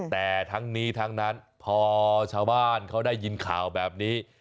แต่ทั้งนี้ทั้งนั้นพอชาวบ้านเขาได้ยินข่าวแบบนี้